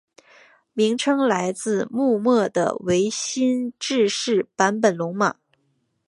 名称来自幕末的维新志士坂本龙马。